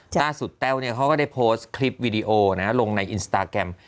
แต้วเขาก็ได้โพสต์คลิปวิดีโอลงในอินสตาแกรม